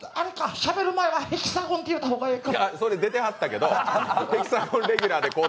しゃべる前はテキサゴン言うた方がええか。